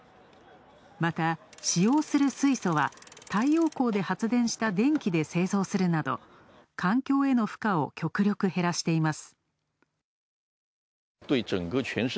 また、使用する水素は太陽光で発電した電気で製造するなど環境への負荷を極力減らしています。